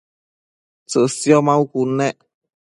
tsësio maucud nec